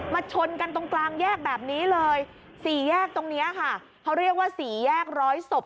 ชนกันตรงกลางแยกแบบนี้เลยสี่แยกตรงนี้ค่ะเขาเรียกว่าสี่แยกร้อยศพ